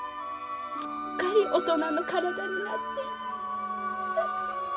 すっかり大人の体になって。